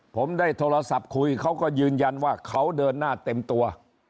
ผมได้โทรศัพท์คุยเขาก็ยืนยันว่าเขาเดินหน้าเต็มตัว